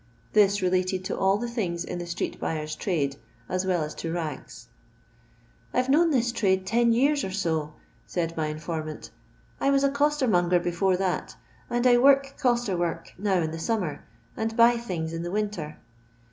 This related to all the things in the stree^buy6r's trade, as well as to rags. 1 've known this trade ten yean or so," said my informant, " I was a costermonger before that, and I work coster work now in the summer, and buy things in the winter.